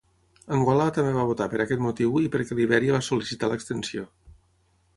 Angola també va votar per aquest motiu i perquè Libèria va sol·licitar l'extensió.